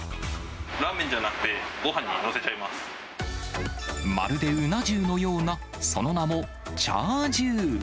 ラーメンじゃなくて、ごはんまるでうな重のような、その名も、ちゃあ重。